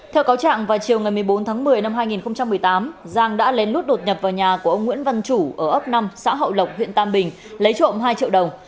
theo cáo trạng vào chiều ngày một mươi bốn tháng một mươi năm hai nghìn một mươi tám giang đã lén lút đột nhập vào nhà của ông nguyễn văn chủ ở ấp năm xã hậu lộc huyện tam bình lấy trộm hai triệu đồng